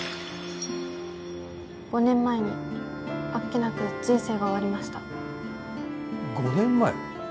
５年前にあっけなく人生が終わりました５年前？